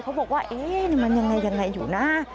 เขาบอกว่าเอ๊ะมันยังไงอยู่นะ